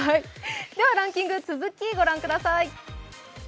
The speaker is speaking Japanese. ではランキング続き、ご覧ください